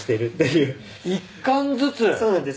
そうなんです。